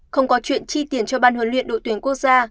không có chuyện chi tiền cho ban huấn luyện đội tuyển quốc gia